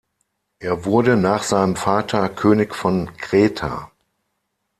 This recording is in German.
Er wurde nach seinem Vater König von Kreta.